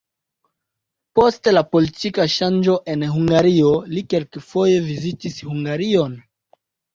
Post la politika ŝanĝo en Hungario li kelkfoje vizitis Hungarion.